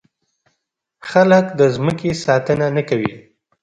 خلک د ځمکې ساتنه نه کوي.